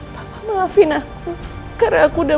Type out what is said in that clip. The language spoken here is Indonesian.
maaf maafin aku karena aku udah